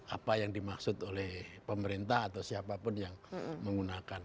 apa yang dimaksud oleh pemerintah atau siapapun yang menggunakan